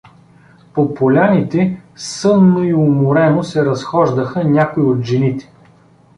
По поляните сънно и уморено се разхождаха някои от жените.